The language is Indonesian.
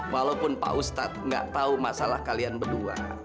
walaupun pak ustadz gak tahu masalah kalian berdua